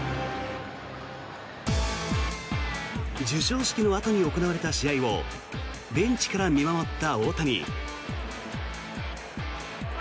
授賞式のあとに行われた試合をベンチから見守った大谷。